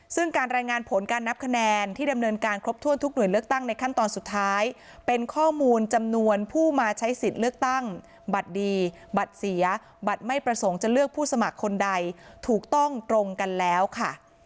ซึ่งการรายงานผลการนับคะแนนที่ดำเนินการครบถ้วนทุกหน่วยเลือกตั้งในขั้นตอนสุดท้ายเป็นข้อมูลจำนวนผู้มาใช้สิทธิ์เลือกตั้งบัตรดีบัตรเสียบัตรไม่ประสงค์จะเลือกผู้สมัครคนใดถูกต้องตรงกันแล้วค่ะ